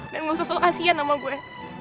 dan gak usah sok kasihan sama gue